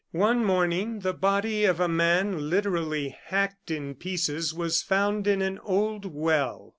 One morning the body of a man literally hacked in pieces was found in an old well.